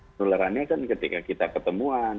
penularannya ketika kita ketemuan